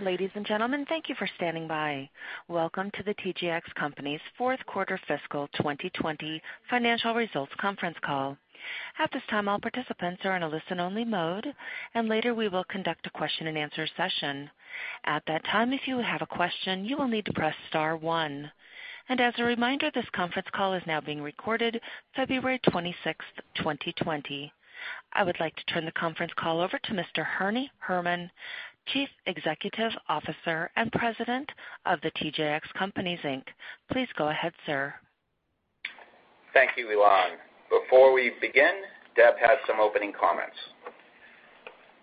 Ladies and gentlemen, thank you for standing by. Welcome to the TJX Companies' fourth quarter fiscal 2020 financial results conference call. At this time, all participants are in a listen-only mode, and later we will conduct a Q&A session. At that time, if you have a question, you will need to press star one. As a reminder, this conference call is now being recorded February 26th, 2020. I would like to turn the conference call over to Mr. Ernie Herrman, Chief Executive Officer and President of The TJX Companies, Inc. Please go ahead, sir. Thank you, Elan. Before we begin, Deb has some opening comments.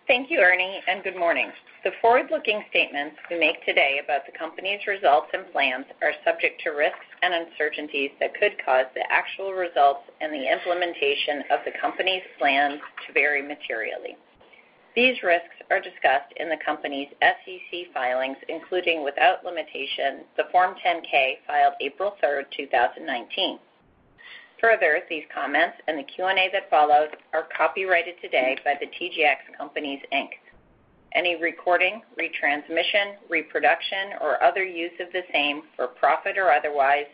Thank you, Ernie, and good morning. The forward-looking statements we make today about the company's results and plans are subject to risks and uncertainties that could cause the actual results and the implementation of the company's plans to vary materially. These risks are discussed in the company's SEC filings, including, without limitation, the Form 10-K filed April 3rd, 2019. Further, these comments and the Q&A that follows are copyrighted today by The TJX Companies, Inc. Any recording, retransmission, reproduction, or other use of the same, for profit or otherwise,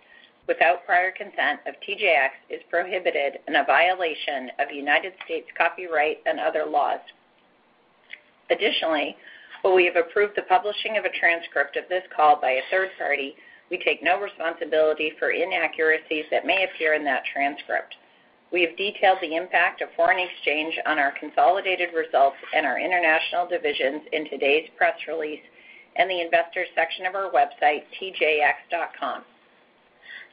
without prior consent of TJX, is prohibited and a violation of United States copyright and other laws. Additionally, while we have approved the publishing of a transcript of this call by a third party, we take no responsibility for inaccuracies that may appear in that transcript. We have detailed the impact of foreign exchange on our consolidated results and our international divisions in today's press release and the investors section of our website, tjx.com.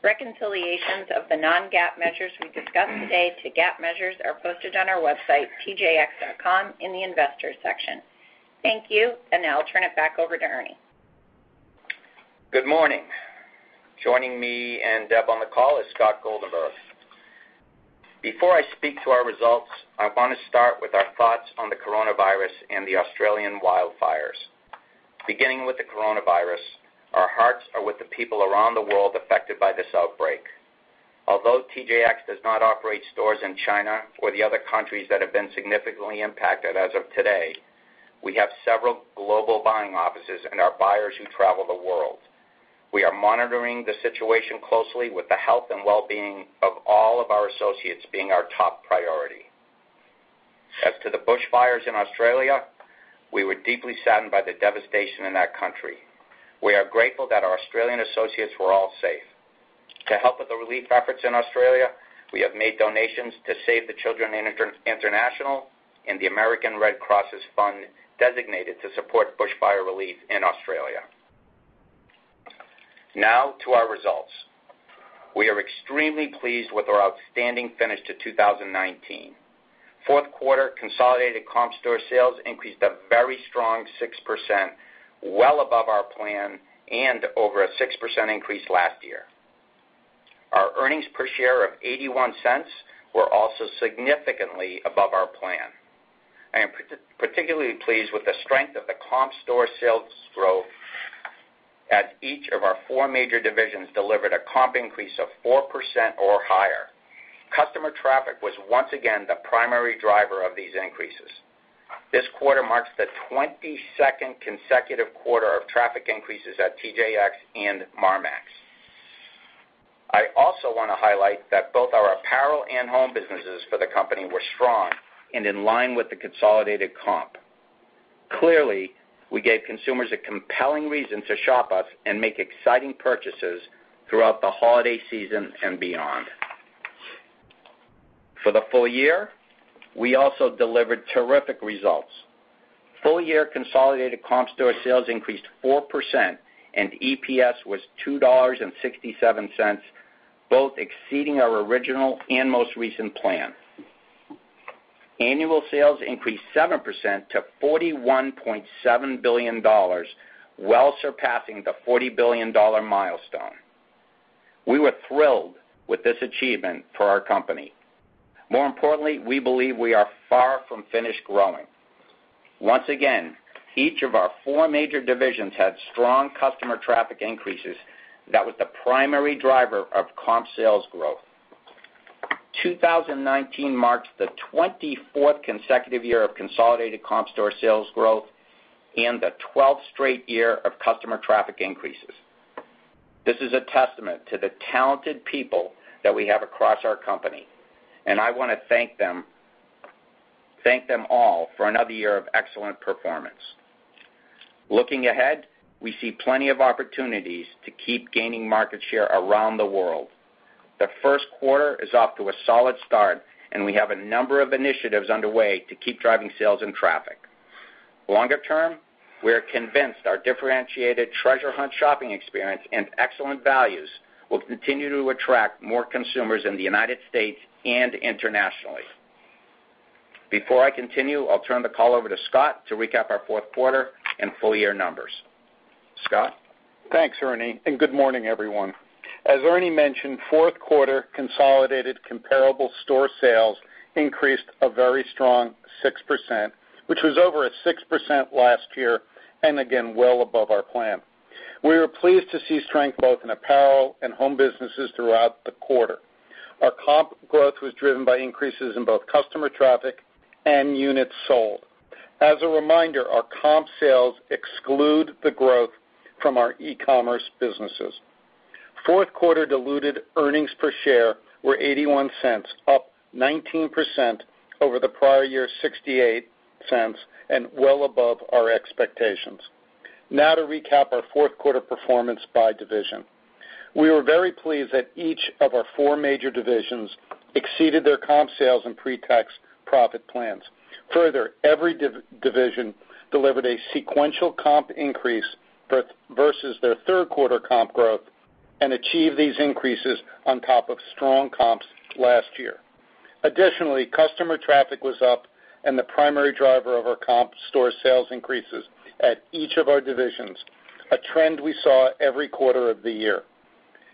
Reconciliations of the non-GAAP measures we discuss today to GAAP measures are posted on our website, tjx.com, in the investors section. Thank you, and now I'll turn it back over to Ernie. Good morning. Joining me and Deb on the call is Scott Goldenberg. Before I speak to our results, I want to start with our thoughts on the coronavirus and the Australian wildfires. Beginning with the coronavirus, our hearts are with the people around the world affected by this outbreak. Although TJX does not operate stores in China or the other countries that have been significantly impacted as of today, we have several global buying offices and our buyers who travel the world. We are monitoring the situation closely with the health and well-being of all of our associates being our top priority. As to the bushfires in Australia, we were deeply saddened by the devastation in that country. We are grateful that our Australian associates were all safe. To help with the relief efforts in Australia, we have made donations to Save the Children International and the American Red Cross's fund designated to support bushfire relief in Australia. Now to our results. We are extremely pleased with our outstanding finish to 2019. Fourth quarter consolidated comp store sales increased a very strong 6%, well above our plan and over a 6% increase last year. Our earnings per share of $0.81 were also significantly above our plan. I am particularly pleased with the strength of the comp store sales growth as each of our four major divisions delivered a comp increase of 4% or higher. Customer traffic was once again the primary driver of these increases. This quarter marks the 22nd consecutive quarter of traffic increases at TJX and Marmaxx. I also want to highlight that both our apparel and home businesses for the company were strong and in line with the consolidated comp. Clearly, we gave consumers a compelling reason to shop us and make exciting purchases throughout the holiday season and beyond. For the full year, we also delivered terrific results. Full-year consolidated comp store sales increased 4%, and EPS was $2.67, both exceeding our original and most recent plan. Annual sales increased 7% to $41.7 billion, well surpassing the $40 billion milestone. We were thrilled with this achievement for our company. More importantly, we believe we are far from finished growing. Once again, each of our four major divisions had strong customer traffic increases that was the primary driver of comp sales growth. 2019 marks the 24th consecutive year of consolidated comp store sales growth and the 12th straight year of customer traffic increases. This is a testament to the talented people that we have across our company, and I want to thank them all for another year of excellent performance. Looking ahead, we see plenty of opportunities to keep gaining market share around the world. The first quarter is off to a solid start, and we have a number of initiatives underway to keep driving sales and traffic. Longer term, we are convinced our differentiated treasure hunt shopping experience and excellent values will continue to attract more consumers in the United States and internationally. Before I continue, I'll turn the call over to Scott to recap our fourth quarter and full-year numbers. Scott? Thanks, Ernie, and good morning, everyone. As Ernie mentioned, fourth quarter consolidated comparable store sales increased a very strong 6%, which was over a 6% last year, and again, well above our plan. We were pleased to see strength both in apparel and home businesses throughout the quarter. Our comp growth was driven by increases in both customer traffic and units sold. As a reminder, our comp sales exclude the growth from our e-commerce businesses. Fourth quarter diluted earnings per share were $0.81, up 19% over the prior year's $0.68, and well above our expectations. Now to recap our fourth quarter performance by division. We were very pleased that each of our four major divisions exceeded their comp sales and pre-tax profit plans. Further, every division delivered a sequential comp increase versus their third quarter comp growth and achieved these increases on top of strong comps last year. Additionally, customer traffic was up and the primary driver of our comp store sales increases at each of our divisions, a trend we saw every quarter of the year.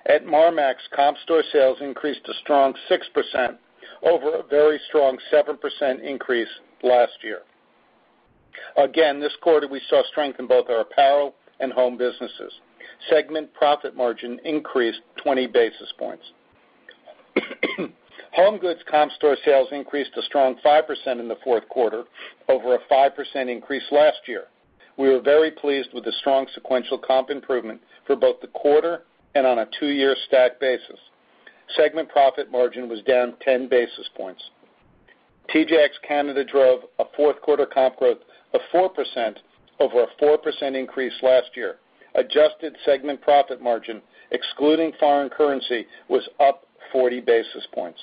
At Marmaxx, comp store sales increased a strong 6% over a very strong 7% increase last year. Again, this quarter, we saw strength in both our apparel and home businesses. Segment profit margin increased 20 basis points. HomeGoods comp store sales increased a strong 5% in the fourth quarter over a 5% increase last year. We were very pleased with the strong sequential comp improvement for both the quarter and on a two-year stack basis. Segment profit margin was down 10 basis points. TJX Canada drove a fourth quarter comp growth of 4% over a 4% increase last year. Adjusted segment profit margin, excluding foreign currency, was up 40 basis points.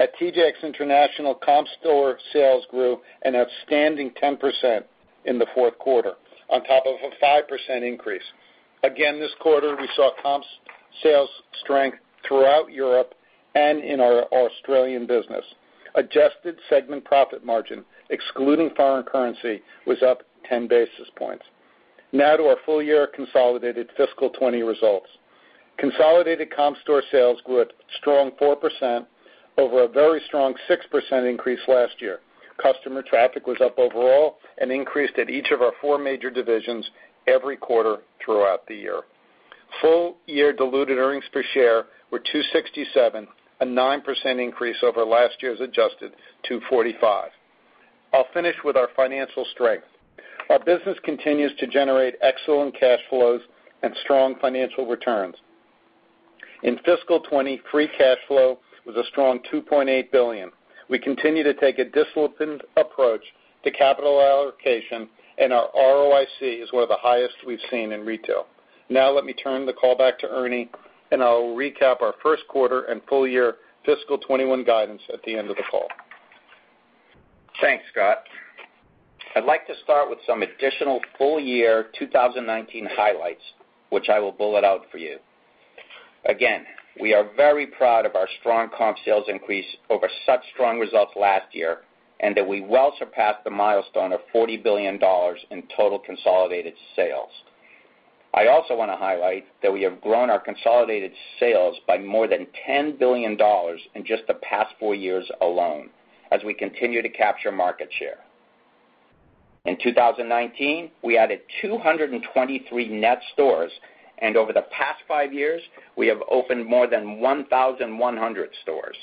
At TJX International, comp store sales grew an outstanding 10% in the fourth quarter on top of a 5% increase. Again, this quarter, we saw comp sales strength throughout Europe and in our Australian business. Adjusted segment profit margin, excluding foreign currency, was up 10 basis points. Now to our full-year consolidated fiscal 2020 results. Consolidated comp store sales grew at strong 4% over a very strong 6% increase last year. Customer traffic was up overall and increased at each of our four major divisions every quarter throughout the year. Full year diluted earnings per share were $2.67, a 9% increase over last year's adjusted $2.45. I'll finish with our financial strength. Our business continues to generate excellent cash flows and strong financial returns. In fiscal 2020, free cash flow was a strong $2.8 billion. We continue to take a disciplined approach to capital allocation, and our ROIC is one of the highest we've seen in retail. Let me turn the call back to Ernie, and I will recap our first quarter and full-year fiscal 2021 guidance at the end of the call. Thanks, Scott. I'd like to start with some additional full-year 2019 highlights, which I will bullet out for you. Again, we are very proud of our strong comp sales increase over such strong results last year, and that we well surpassed the milestone of $40 billion in total consolidated sales. I also want to highlight that we have grown our consolidated sales by more than $10 billion in just the past four years alone as we continue to capture market share. In 2019, we added 223 net stores, and over the past five years, we have opened more than 1,100 stores.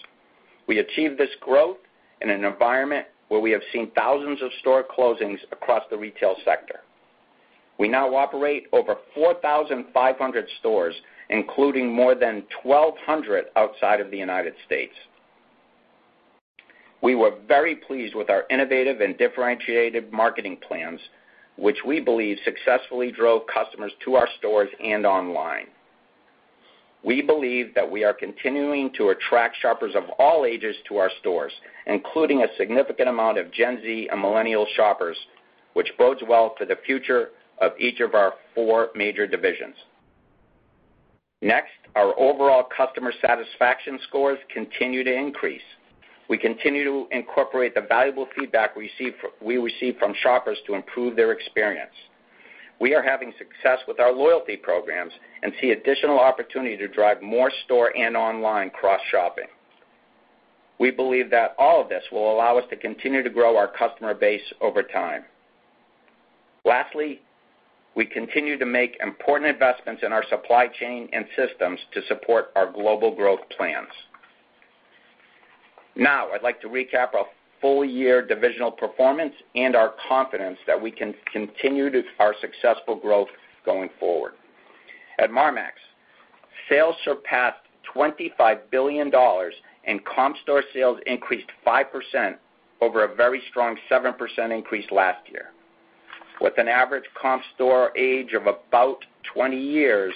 We achieved this growth in an environment where we have seen thousands of store closings across the retail sector. We now operate over 4,500 stores, including more than 1,200 outside of the United States. We were very pleased with our innovative and differentiated marketing plans, which we believe successfully drove customers to our stores and online. We believe that we are continuing to attract shoppers of all ages to our stores, including a significant amount of Gen Z and millennial shoppers, which bodes well for the future of each of our four major divisions. Next, our overall customer satisfaction scores continue to increase. We continue to incorporate the valuable feedback we receive from shoppers to improve their experience. We are having success with our loyalty programs and see additional opportunity to drive more store and online cross-shopping. We believe that all of this will allow us to continue to grow our customer base over time. Lastly, we continue to make important investments in our supply chain and systems to support our global growth plans. Now, I'd like to recap our full-year divisional performance and our confidence that we can continue our successful growth going forward. At Marmaxx, sales surpassed $25 billion, and comp store sales increased 5% over a very strong 7% increase last year. With an average comp store age of about 20 years,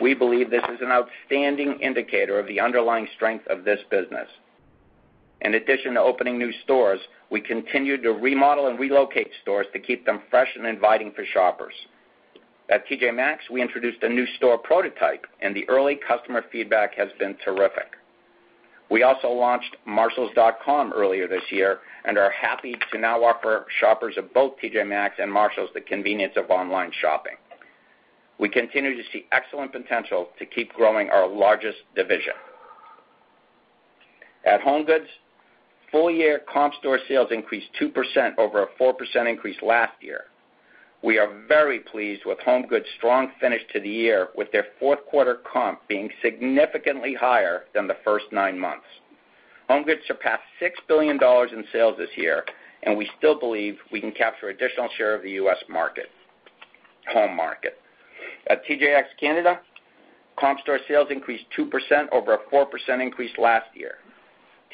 we believe this is an outstanding indicator of the underlying strength of this business. In addition to opening new stores, we continued to remodel and relocate stores to keep them fresh and inviting for shoppers. At TJ Maxx, we introduced a new store prototype, and the early customer feedback has been terrific. We also launched marshalls.com earlier this year and are happy to now offer shoppers of both TJ Maxx and Marshalls the convenience of online shopping. We continue to see excellent potential to keep growing our largest division. At HomeGoods. Full-year comp store sales increased 2% over a 4% increase last year. We are very pleased with HomeGoods' strong finish to the year, with their fourth quarter comp being significantly higher than the first nine months. HomeGoods surpassed $6 billion in sales this year, and we still believe we can capture additional share of the U.S. home market. At TJX Canada, comp store sales increased 2% over a 4% increase last year.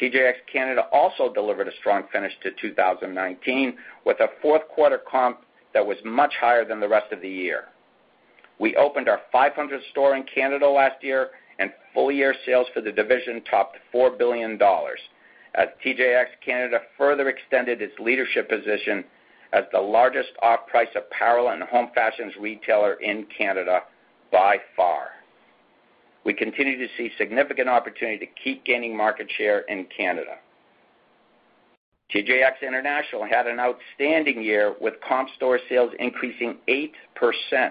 TJX Canada also delivered a strong finish to 2019, with a fourth quarter comp that was much higher than the rest of the year. We opened our 500th store in Canada last year, and full-year sales for the division topped $4 billion, as TJX Canada further extended its leadership position as the largest off-price apparel and home fashions retailer in Canada by far. We continue to see significant opportunity to keep gaining market share in Canada. TJX International had an outstanding year, with comp store sales increasing 8%.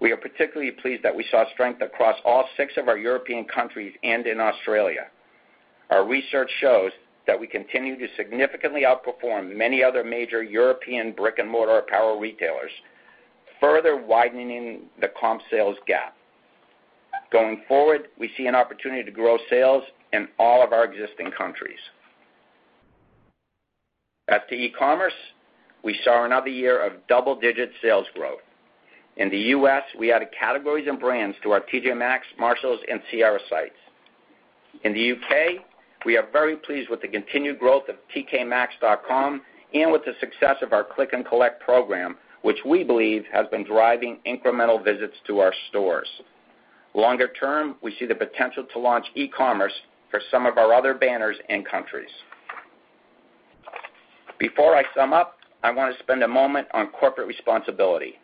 We are particularly pleased that we saw strength across all six of our European countries and in Australia. Our research shows that we continue to significantly outperform many other major European brick-and-mortar apparel retailers, further widening the comp sales gap. Going forward, we see an opportunity to grow sales in all of our existing countries. At the e-commerce, we saw another year of double-digit sales growth. In the U.S., we added categories and brands to our TJ Maxx, Marshalls, and Sierra sites. In the U.K., we are very pleased with the continued growth of tkmaxx.com and with the success of our click and collect program, which we believe has been driving incremental visits to our stores. Longer term, we see the potential to launch e-commerce for some of our other banners and countries. Before I sum up, I want to spend a moment on corporate responsibility.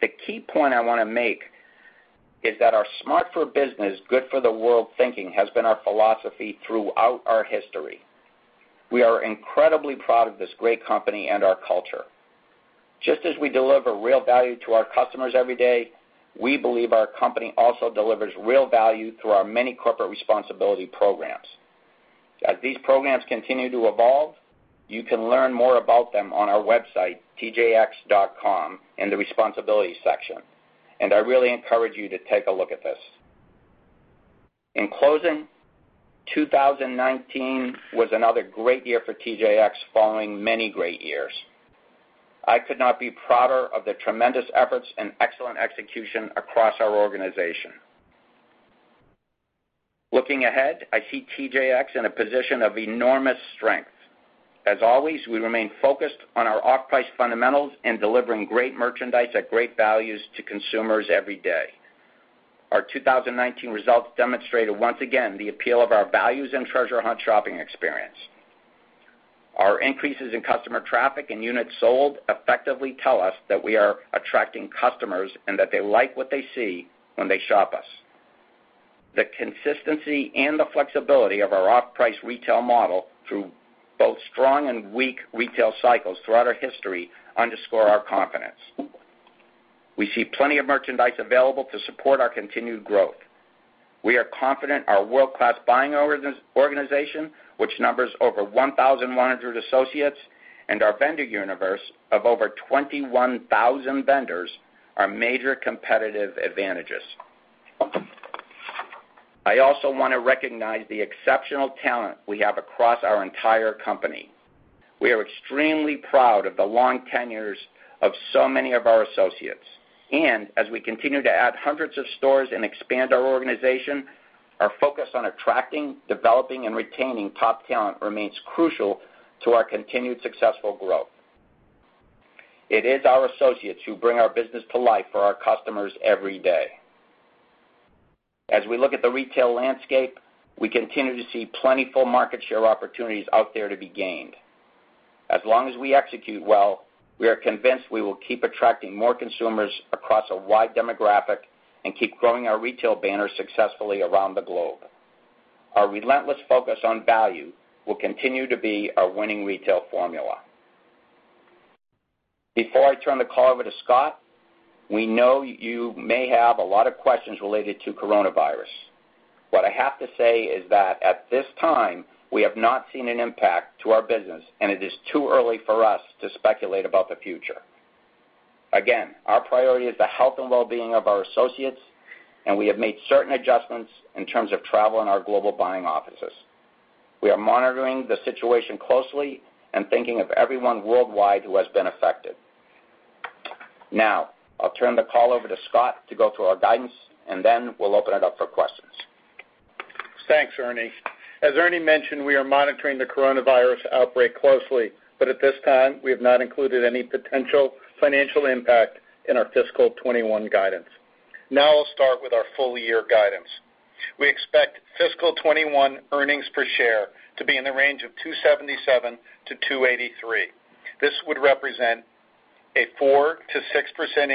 The key point I want to make is that our smart for business, good for the world thinking has been our philosophy throughout our history. We are incredibly proud of this great company and our culture. Just as we deliver real value to our customers every day, we believe our company also delivers real value through our many corporate responsibility programs. As these programs continue to evolve, you can learn more about them on our website, tjx.com, in the responsibility section. I really encourage you to take a look at this. In closing, 2019 was another great year for TJX following many great years. I could not be prouder of the tremendous efforts and excellent execution across our organization. Looking ahead, I see TJX in a position of enormous strength. As always, we remain focused on our off-price fundamentals and delivering great merchandise at great values to consumers every day. Our 2019 results demonstrated, once again, the appeal of our values and Treasure Hunt shopping experience. Our increases in customer traffic and units sold effectively tell us that we are attracting customers and that they like what they see when they shop us. The consistency and the flexibility of our off-price retail model through both strong and weak retail cycles throughout our history underscore our confidence. We see plenty of merchandise available to support our continued growth. We are confident our world-class buying organization, which numbers over 1,100 associates, and our vendor universe of over 21,000 vendors are major competitive advantages. I also want to recognize the exceptional talent we have across our entire company. We are extremely proud of the long tenures of so many of our associates. As we continue to add hundreds of stores and expand our organization, our focus on attracting, developing, and retaining top talent remains crucial to our continued successful growth. It is our associates who bring our business to life for our customers every day. As we look at the retail landscape, we continue to see plentiful market share opportunities out there to be gained. As long as we execute well, we are convinced we will keep attracting more consumers across a wide demographic and keep growing our retail banners successfully around the globe. Our relentless focus on value will continue to be our winning retail formula. Before I turn the call over to Scott, we know you may have a lot of questions related to coronavirus. What I have to say is that at this time, we have not seen an impact to our business, and it is too early for us to speculate about the future. Again, our priority is the health and well-being of our associates, and we have made certain adjustments in terms of travel and our global buying offices. We are monitoring the situation closely and thinking of everyone worldwide who has been affected. Now, I'll turn the call over to Scott to go through our guidance, and then we'll open it up for questions. Thanks, Ernie. As Ernie mentioned, we are monitoring the coronavirus outbreak closely. At this time, we have not included any potential financial impact in our fiscal 2021 guidance. I'll start with our full-year guidance. We expect fiscal 2021 earnings per share to be in the range of $2.77-$2.83. This would represent a 4%-6%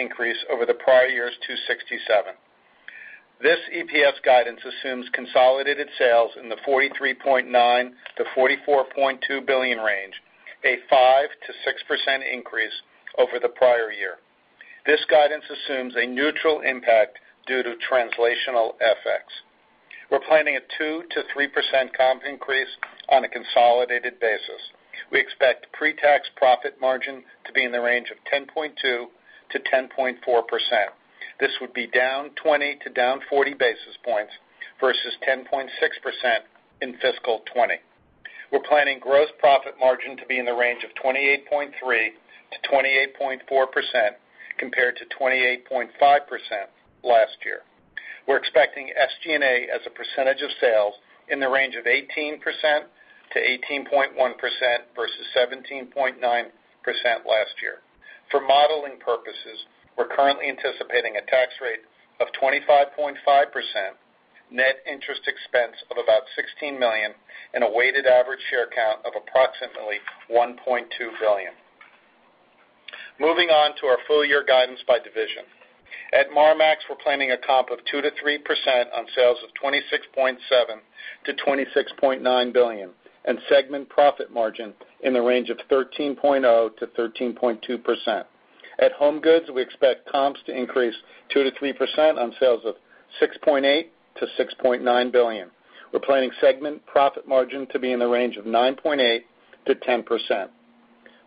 increase over the prior year's $2.67. This EPS guidance assumes consolidated sales in the $43.9 billion-$44.2 billion range, a 5%-6% increase over the prior year. This guidance assumes a neutral impact due to translational FX. We're planning a 2%-3% comp increase on a consolidated basis. We expect pre-tax profit margin to be in the range of 10.2%-10.4%. This would be down 20-40 basis points versus 10.6% in fiscal 2020. We're planning gross profit margin to be in the range of 28.3%-28.4%, compared to 28.5% last year. We're expecting SG&A as a percentage of sales in the range of 18%-18.1% versus 17.9% last year. For modeling purposes, we're currently anticipating a tax rate of 25.5%, net interest expense of about $16 million, and a weighted average share count of approximately $1.2 billion. Moving on to our full year guidance by division. At Marmaxx, we're planning a comp of 2%-3% on sales of $26.7 billion-$26.9 billion, and segment profit margin in the range of 13.0%-13.2%. At HomeGoods, we expect comps to increase 2%-3% on sales of $6.8 billion-$6.9 billion. We're planning segment profit margin to be in the range of 9.8%-10%.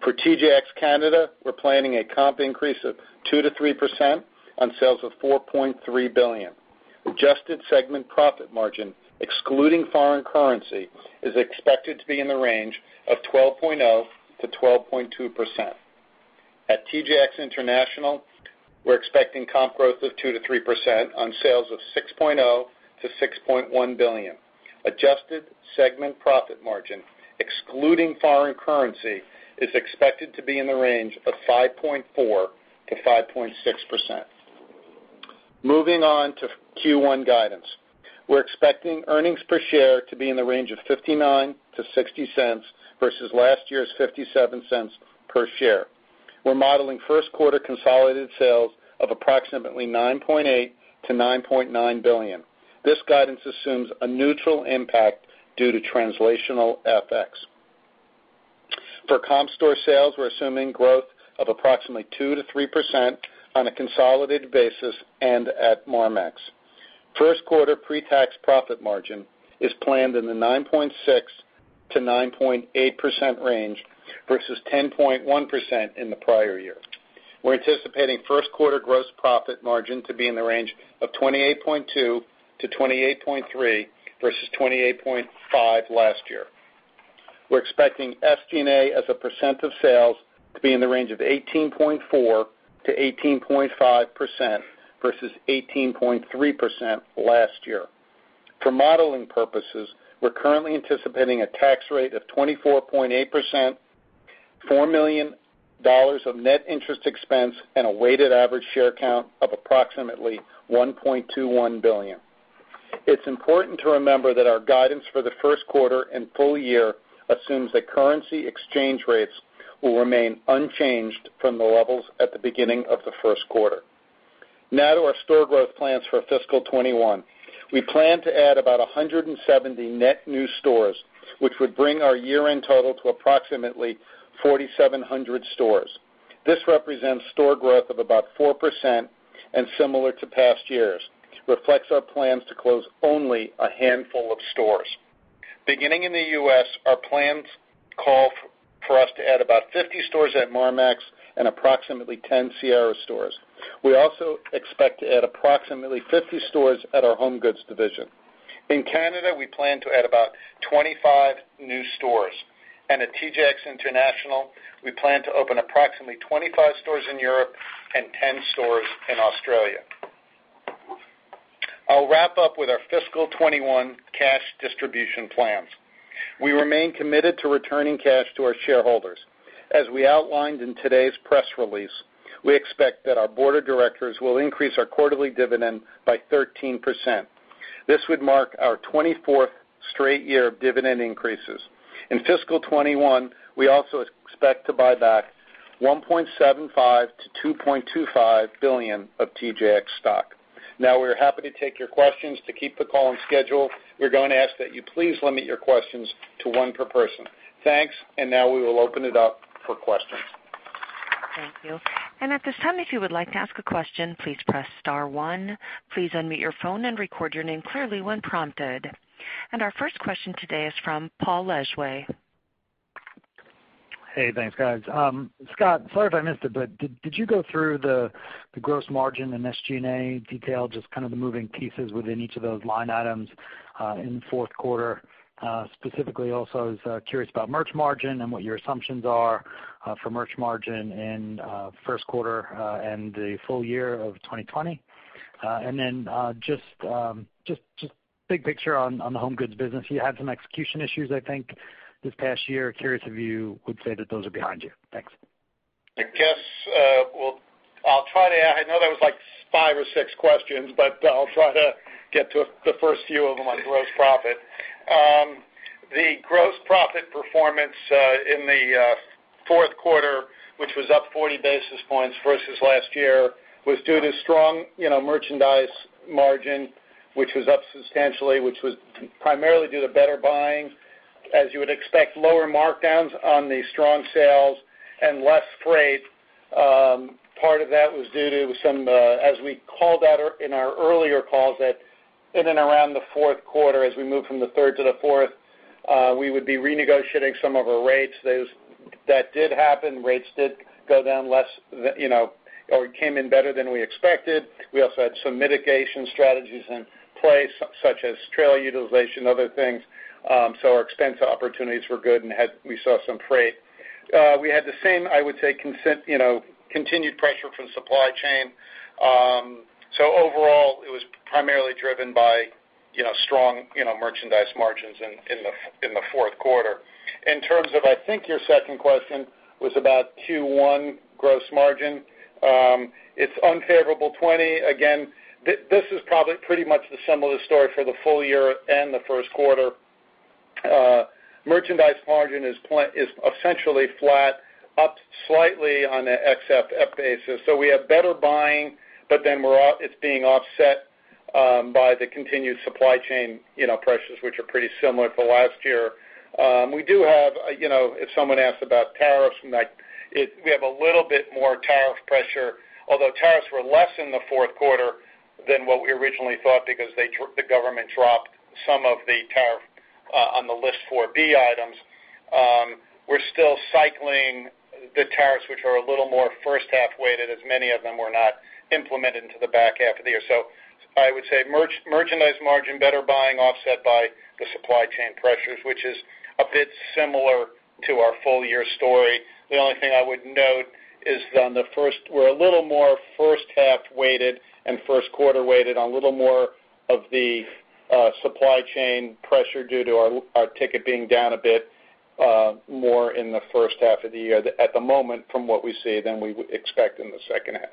For TJX Canada, we're planning a comp increase of 2%-3% on sales of $4.3 billion. Adjusted segment profit margin, excluding foreign currency, is expected to be in the range of 12.0%-12.2%. At TJX International, we're expecting comp growth of 2%-3% on sales of $6.0 billion-$6.1 billion. Adjusted segment profit margin, excluding foreign currency, is expected to be in the range of 5.4%-5.6%. Moving on to Q1 guidance. We're expecting earnings per share to be in the range of $0.59-$0.60 versus last year's $0.57 per share. We're modeling first quarter consolidated sales of approximately $9.8 billion-$9.9 billion. This guidance assumes a neutral impact due to translational FX. For comp store sales, we're assuming growth of approximately 2%-3% on a consolidated basis and at Marmaxx. First quarter pre-tax profit margin is planned in the 9.6%-9.8% range versus 10.1% in the prior year. We're anticipating first quarter gross profit margin to be in the range of 28.2%-28.3% versus 28.5% last year. We're expecting SG&A as a percent of sales to be in the range of 18.4%-18.5% versus 18.3% last year. For modeling purposes, we're currently anticipating a tax rate of 24.8%, $4 million of net interest expense, and a weighted average share count of approximately 1.21 billion. It's important to remember that our guidance for the first quarter and full year assumes that currency exchange rates will remain unchanged from the levels at the beginning of the first quarter. Now to our store growth plans for fiscal 2021. We plan to add about 170 net new stores, which would bring our year-end total to approximately 4,700 stores. This represents store growth of about 4% and similar to past years. Reflects our plans to close only a handful of stores. Beginning in the U.S., our plans call for us to add about 50 stores at Marmaxx and approximately 10 Sierra stores. We also expect to add approximately 50 stores at our HomeGoods division. In Canada, we plan to add about 25 new stores. At TJX International, we plan to open approximately 25 stores in Europe and 10 stores in Australia. I'll wrap up with our fiscal 2021 cash distribution plans. We remain committed to returning cash to our shareholders. As we outlined in today's press release, we expect that our board of directors will increase our quarterly dividend by 13%. This would mark our 24th straight year of dividend increases. In fiscal 2021, we also expect to buy back $1.75 billion-$2.25 billion of TJX stock. Now we are happy to take your questions. To keep the call on schedule, we're going to ask that you please limit your questions to one per person. Thanks. Now we will open it up for questions. Thank you. At this time, if you would like to ask a question, please press star one. Please unmute your phone and record your name clearly when prompted. Our first question today is from Paul Lejuez. Hey, thanks, guys. Scott, sorry if I missed it, but did you go through the gross margin and SG&A detail, just kind of the moving pieces within each of those line items, in the fourth quarter? Specifically also, I was curious about merch margin and what your assumptions are for merch margin in first quarter and the full year of 2020. Just big picture on the HomeGoods business. You had some execution issues, I think, this past year. Curious if you would say that those are behind you. Thanks. I guess, I know that was like five or six questions, I'll try to get to the first few of them on gross profit. The gross profit performance in the fourth quarter, which was up 40 basis points versus last year, was due to strong merchandise margin, which was up substantially, which was primarily due to better buying. As you would expect, lower markdowns on the strong sales and less freight. Part of that was due to some, as we called out in our earlier calls, that in and around the fourth quarter, as we moved from the third to the fourth, we would be renegotiating some of our rates. Those that did happen, rates did go down less, or came in better than we expected. We also had some mitigation strategies in place, such as trailer utilization, other things. Our expense opportunities were good, and we saw some freight. We had the same, I would say, continued pressure from supply chain. Overall, it was primarily driven by strong merchandise margins in the fourth quarter. In terms of, I think your second question was about Q1 gross margin. It's unfavorable 20%. Again, this is probably pretty much a similar story for the full year and the first quarter. Merchandise margin is essentially flat, up slightly on an ex-FX basis. We have better buying, but then it's being offset by the continued supply chain pressures, which are pretty similar to last year. If someone asks about tariffs, we have a little bit more tariff pressure. Although tariffs were less in the fourth quarter than what we originally thought because the government dropped some of the tariff on the List 4B items. We're still cycling the tariffs, which are a little more first half weighted, as many of them were not implemented into the back half of the year. I would say merchandise margin, better buying offset by the supply chain pressures, which is a bit similar to our full-year story. The only thing I would note is we're a little more first half weighted and first quarter weighted on a little more of the supply chain pressure due to our ticket being down a bit more in the first half of the year at the moment from what we see than we would expect in the second half.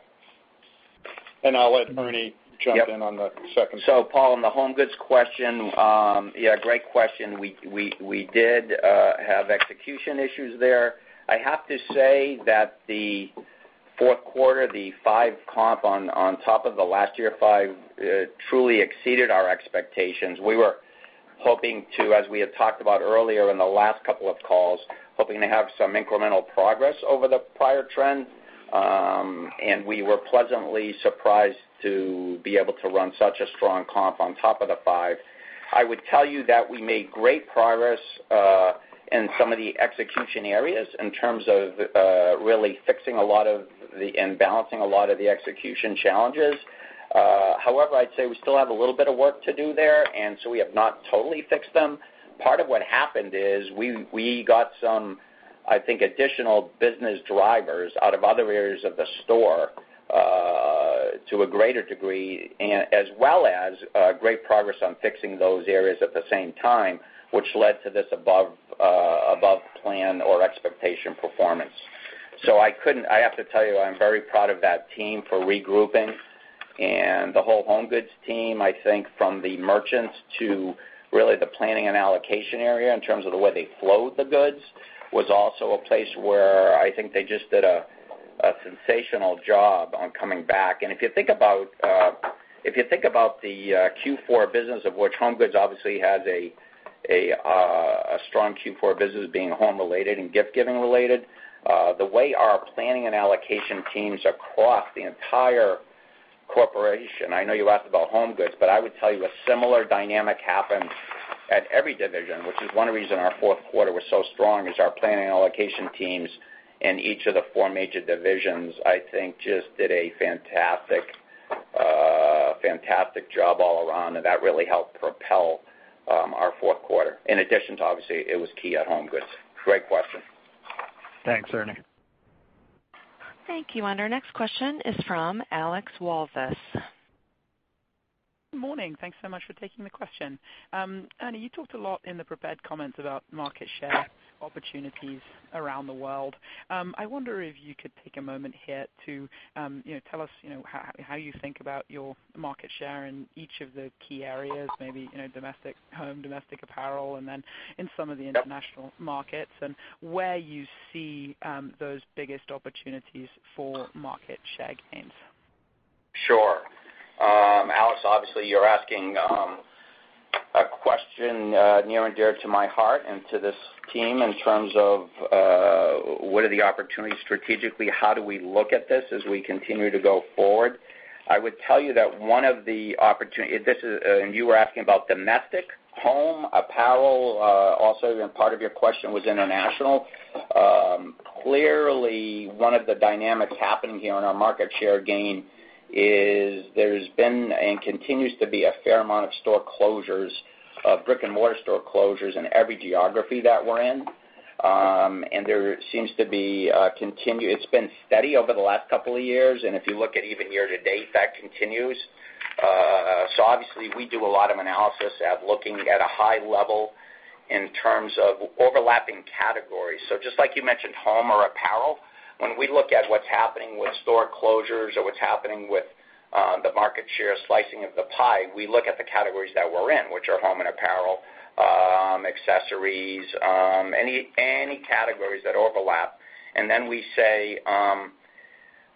I'll let Ernie jump in on the second. Paul, on the HomeGoods question. Great question. We did have execution issues there. I have to say that the fourth quarter, the 5% comp on top of the last year five truly exceeded our expectations. We were hoping to, as we had talked about earlier in the last couple of calls, have some incremental progress over the prior trend. We were pleasantly surprised to be able to run such a strong comp on top of the five. I would tell you that we made great progress in some of the execution areas in terms of really fixing a lot of the and balancing a lot of the execution challenges. I'd say we still have a little bit of work to do there. We have not totally fixed them. Part of what happened is we got some, I think, additional business drivers out of other areas of the store to a greater degree, as well as great progress on fixing those areas at the same time, which led to this above plan or expectation performance. I have to tell you, I'm very proud of that team for regrouping and the whole HomeGoods team, I think from the merchants to really the planning and allocation area in terms of the way they flowed the goods, was also a place where I think they just did a sensational job on coming back. If you think about the Q4 business, of which HomeGoods obviously has a strong Q4 business being home related and gift giving related. The way our planning and allocation teams across the entire corporation, I know you asked about HomeGoods, but I would tell you a similar dynamic happens at every division, which is one reason our fourth quarter was so strong, is our planning and allocation teams in each of the four major divisions, I think, just did a fantastic job all around. That really helped propel our fourth quarter. In addition to obviously, it was key at HomeGoods. Great question. Thanks, Ernie. Thank you. Our next question is from Alex Walvis. Morning. Thanks so much for taking the question. Ernie, you talked a lot in the prepared comments about market share opportunities around the world. I wonder if you could take a moment here to tell us how you think about your market share in each of the key areas, maybe domestic home, domestic apparel, and then in some of the international markets, and where you see those biggest opportunities for market share gains. Sure. Alex, obviously, you're asking a question near and dear to my heart and to this team in terms of what are the opportunities strategically, how do we look at this as we continue to go forward? I would tell you that one of the opportunities, and you were asking about domestic home apparel, also part of your question was international. Clearly, one of the dynamics happening here on our market share gain is there's been and continues to be a fair amount of store closures, of brick and mortar store closures in every geography that we're in. There seems to be it's been steady over the last couple of years, and if you look at even year to date, that continues. Obviously, we do a lot of analysis at looking at a high level in terms of overlapping categories. Just like you mentioned, home or apparel. When we look at what's happening with store closures or what's happening with the market share slicing of the pie, we look at the categories that we're in, which are home and apparel, accessories, any categories that overlap. We say,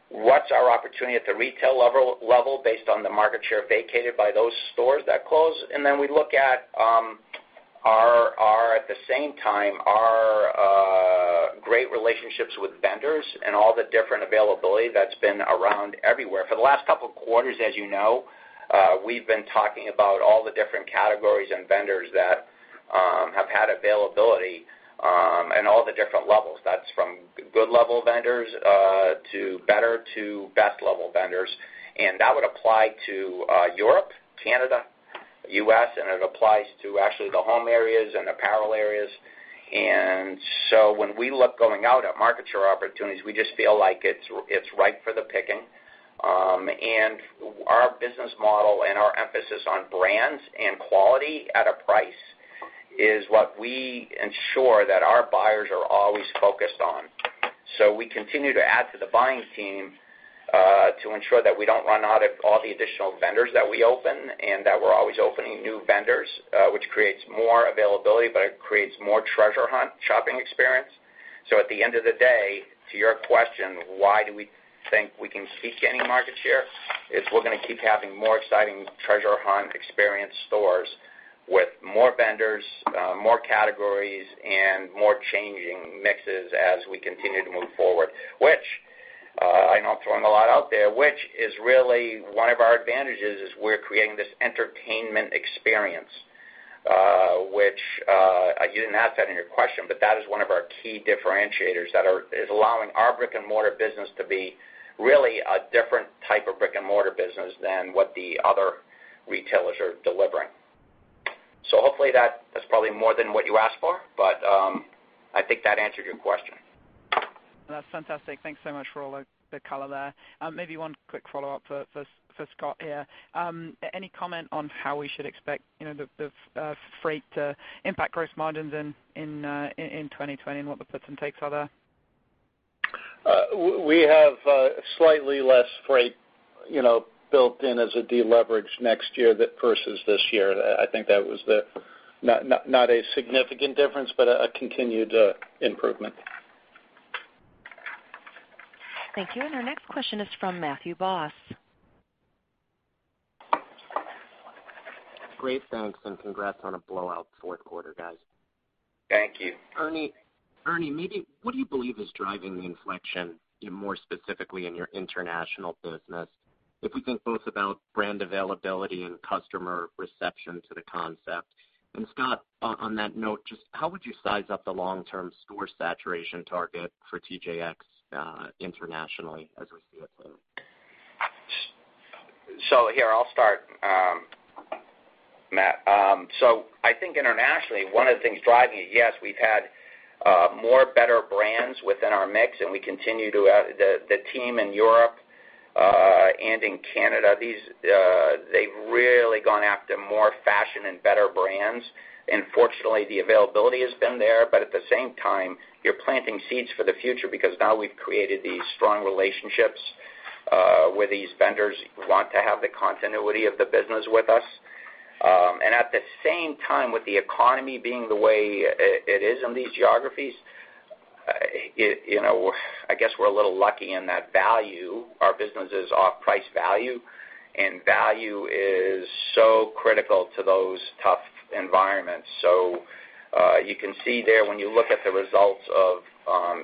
what's our opportunity at the retail level based on the market share vacated by those stores that close. We look at the same time, our great relationships with vendors and all the different availability that's been around everywhere. For the last couple of quarters, as you know, we've been talking about all the different categories and vendors that have had availability, and all the different levels. That's from good level vendors, to better to best level vendors. That would apply to Europe, Canada, U.S., and it applies to actually the home areas and apparel areas. When we look going out at market share opportunities, we just feel like it's ripe for the picking. Our business model and our emphasis on brands and quality at a price is what we ensure that our buyers are always focused on. We continue to add to the buying team, to ensure that we don't run out of all the additional vendors that we open and that we're always opening new vendors, which creates more availability, but it creates more treasure hunt shopping experience. At the end of the day, to your question, why do we think we can seek any market share, is we're going to keep having more exciting treasure hunt experience stores with more vendors, more categories and more changing mixes as we continue to move forward. I know I'm throwing a lot out there, which is really one of our advantages is we're creating this entertainment experience. You didn't ask that in your question, but that is one of our key differentiators that is allowing our brick-and-mortar business to be really a different type of brick-and-mortar business than what the other retailers are delivering. Hopefully that's probably more than what you asked for, but I think that answered your question. That's fantastic. Thanks so much for all the color there. Maybe one quick follow-up for Scott here. Any comment on how we should expect the freight to impact gross margins in 2020 and what the puts and takes are there? We have slightly less freight built in as a deleverage next year versus this year. I think that was not a significant difference, but a continued improvement. Thank you. Our next question is from Matthew Boss. Great. Thanks. Congrats on a blowout fourth quarter, guys. Thank you. Ernie, what do you believe is driving the inflection, more specifically in your international business? If we think both about brand availability and customer reception to the concept. Scott, on that note, just how would you size up the long-term store saturation target for TJX internationally as we see it today? Here, I'll start, Matt. I think internationally, one of the things driving it, yes, we've had more, better brands within our mix, and we continue to. The team in Europe, and in Canada, they've really gone after more fashion and better brands. Fortunately, the availability has been there, but at the same time, you're planting seeds for the future because now we've created these strong relationships, where these vendors want to have the continuity of the business with us. At the same time, with the economy being the way it is in these geographies, I guess we're a little lucky in that value. Our business is off-price value, and value is so critical to those tough environments. You can see there when you look at the results of,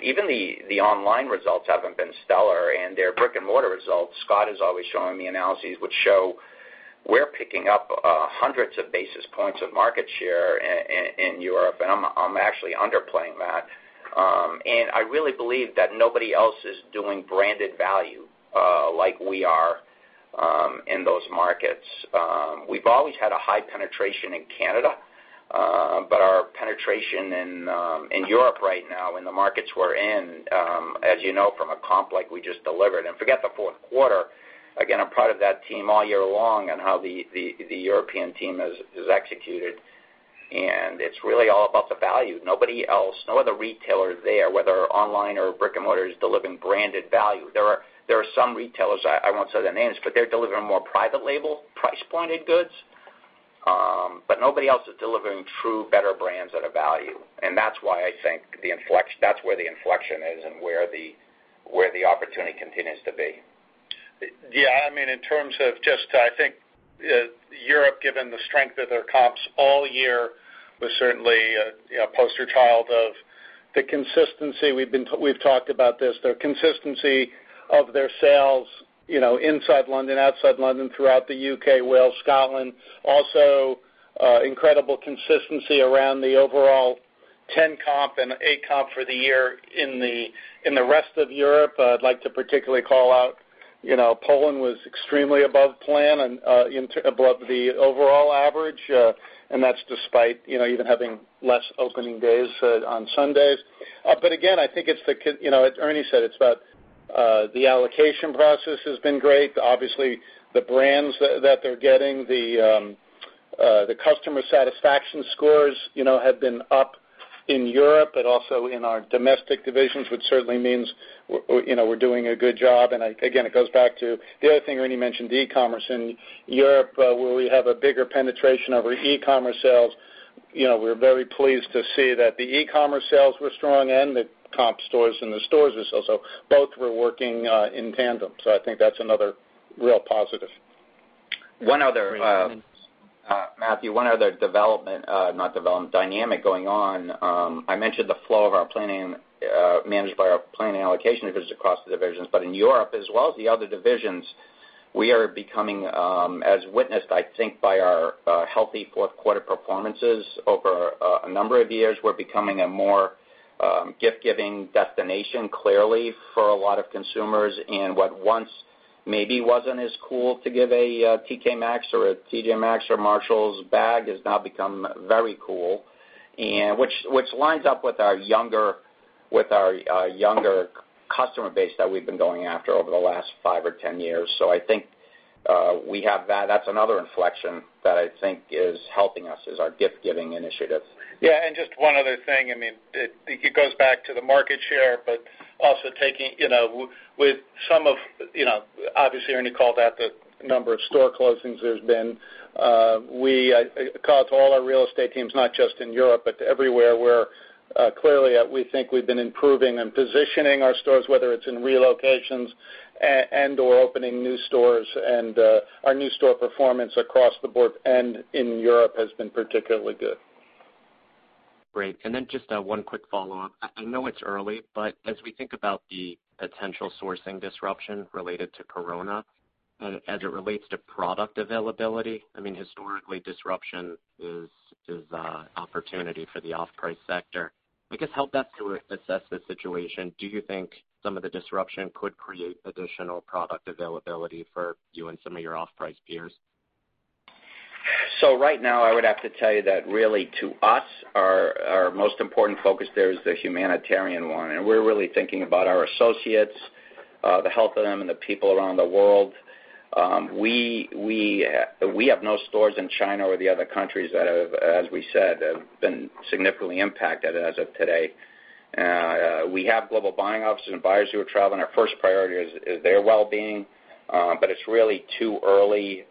even the online results haven't been stellar and their brick-and-mortar results, Scott is always showing me analysis which show we're picking up hundreds of basis points of market share in Europe, and I'm actually underplaying that. I really believe that nobody else is doing branded value, like we are in those markets. We've always had a high penetration in Canada. Our penetration in Europe right now, in the markets we're in, as you know from a comp like we just delivered and forget the fourth quarter. I'm proud of that team all year long on how the European team has executed, and it's really all about the value. Nobody else, no other retailer there, whether online or brick-and-mortar, is delivering branded value. There are some retailers, I won't say their names, but they're delivering more private label, price-pointed goods. Nobody else is delivering true better brands at a value. That's why I think the inflection, that's where the inflection is and where the opportunity continues to be. Yeah, in terms of just, I think Europe, given the strength of their comps all year, was certainly a poster child of the consistency. We've talked about this. The consistency of their sales inside London, outside London, throughout the U.K., Wales, Scotland. Also, incredible consistency around the overall 10% comp and 8% comp for the year in the rest of Europe. I'd like to particularly call out Poland was extremely above plan and above the overall average, and that's despite even having less opening days on Sundays. Again, I think as Ernie said, it's about the allocation process has been great. Obviously, the brands that they're getting, the customer satisfaction scores have been up in Europe, but also in our domestic divisions, which certainly means we're doing a good job. Again, it goes back to the other thing Ernie mentioned, the e-commerce. In Europe, where we have a bigger penetration of our e-commerce sales. We're very pleased to see that the e-commerce sales were strong and the comp stores and the stores were also, both were working in tandem. I think that's another real positive. Matthew, one other development, not development, dynamic going on. I mentioned the flow of our planning, managed by our planning allocation visits across the divisions, but in Europe as well as the other divisions, we are becoming, as witnessed, I think, by our healthy fourth quarter performances over a number of years. We're becoming a more gift-giving destination, clearly, for a lot of consumers. What once maybe wasn't as cool to give a TK Maxx or a TJ Maxx or Marshalls bag has now become very cool. Which lines up with our younger customer base that we've been going after over the last five or 10 years. I think that's another inflection that I think is helping us, is our gift-giving initiative. Yeah, just one other thing. It goes back to the market share, but also with some of, obviously, Ernie called out the number of store closings there's been. A call to all our real estate teams, not just in Europe, but everywhere, where clearly we think we've been improving and positioning our stores, whether it's in relocations and/or opening new stores. Our new store performance across the board and in Europe has been particularly good. Great. Then just one quick follow-up. I know it's early, but as we think about the potential sourcing disruption related to Corona, as it relates to product availability, historically, disruption is opportunity for the off-price sector. I guess help us to assess the situation. Do you think some of the disruption could create additional product availability for you and some of your off-price peers? Right now, I would have to tell you that really to us, our most important focus there is the humanitarian one, and we're really thinking about our associates, the health of them, and the people around the world. We have no stores in China or the other countries that have, as we said, have been significantly impacted as of today. We have global buying offices and buyers who are traveling. Our first priority is their well-being. It's really too early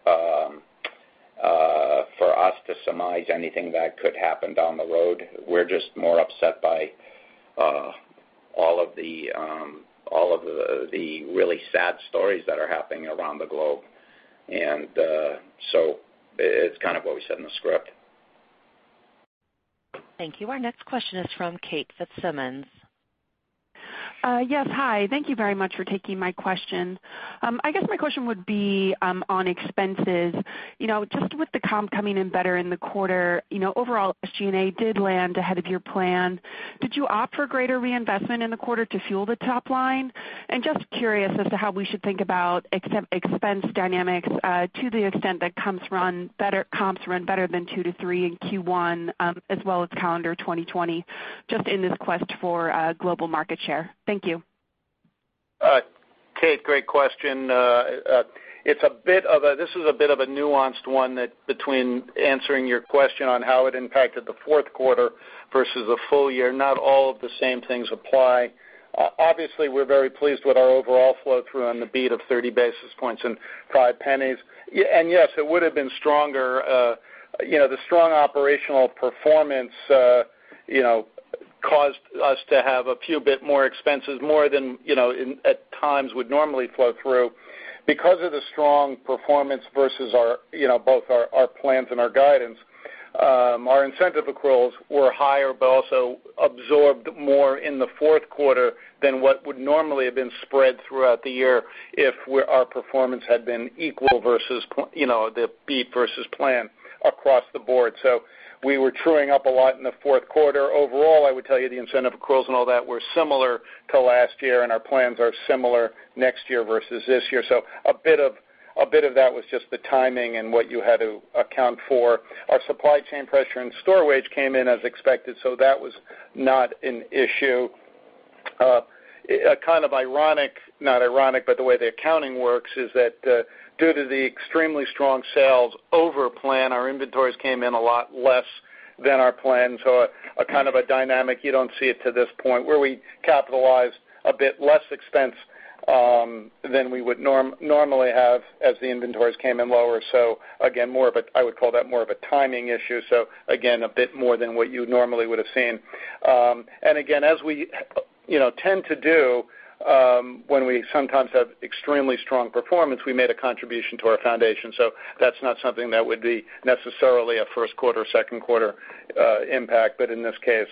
for us to surmise anything that could happen down the road. We're just more upset by all of the really sad stories that are happening around the globe. It's kind of what we said in the script. Thank you. Our next question is from Kate Fitzsimons. Yes, hi. Thank you very much for taking my question. I guess my question would be on expenses. Just with the comp coming in better in the quarter, overall, SG&A did land ahead of your plan. Did you opt for greater reinvestment in the quarter to fuel the top line? Just curious as to how we should think about expense dynamics to the extent that comps run better than two to three in Q1 as well as calendar 2020, just in this quest for global market share. Thank you. Kate, great question. This is a bit of a nuanced one between answering your question on how it impacted the fourth quarter versus a full year. Not all of the same things apply. Obviously, we're very pleased with our overall flow-through on the beat of 30 basis points and $0.05. Yes, it would have been stronger. The strong operational performance caused us to have a few bit more expenses, more than, at times, would normally flow through. Because of the strong performance versus both our plans and our guidance, our incentive accruals were higher, but also absorbed more in the fourth quarter than what would normally have been spread throughout the year if our performance had been equal versus the beat versus plan across the board. We were truing up a lot in the fourth quarter. Overall, I would tell you the incentive accruals and all that were similar to last year, and our plans are similar next year versus this year. A bit of that was just the timing and what you had to account for. Our supply chain pressure and store wage came in as expected, so that was not an issue. Kind of ironic, not ironic, but the way the accounting works is that due to the extremely strong sales over plan, our inventories came in a lot less than our plan. A kind of a dynamic, you don't see it to this point, where we capitalized a bit less expense than we would normally have as the inventories came in lower. Again, I would call that more of a timing issue. Again, a bit more than what you normally would have seen. Again, as we tend to do when we sometimes have extremely strong performance, we made a contribution to our foundation. That's not something that would be necessarily a first quarter, second quarter impact. In this case,